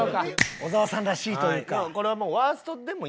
小沢さんらしいというか。